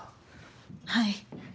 はい。